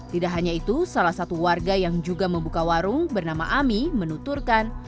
tidak hanya itu salah satu warga yang juga membuka warung bernama ami menuturkan